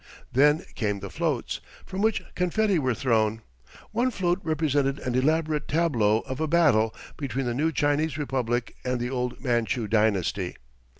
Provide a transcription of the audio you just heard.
Then came the floats, from which confetti were thrown. One float represented an elaborate tableau of a battle between the new Chinese republic and the old Manchu dynasty.